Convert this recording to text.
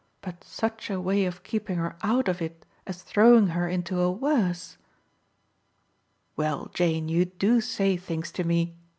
But such a way of keeping her out of it as throwing her into a worse !" "Well, Jane, you do say things to me!"